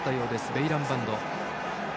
ベイランバンド。